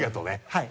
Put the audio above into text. はい。